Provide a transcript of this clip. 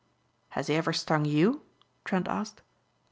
"Has he ever stung you?" Trent asked.